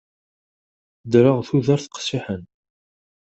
Ddreɣ tudert qessiḥen.